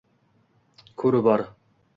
Ko’ru kar